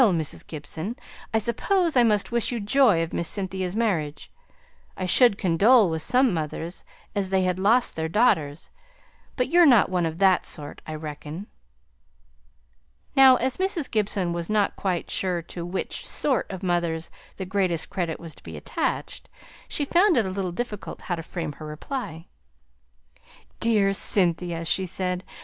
Mrs. Gibson, I suppose I must wish you joy of Miss Cynthia's marriage; I should condole with some mothers as had lost their daughters; but you're not one of that sort, I reckon." Now, as Mrs. Gibson was not quite sure to which "sort" of mothers the greatest credit was to be attached, she found it a little difficult how to frame her reply. "Dear Cynthia!" she said.